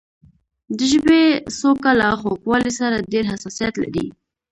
د ژبې څوکه له خوږوالي سره ډېر حساسیت لري.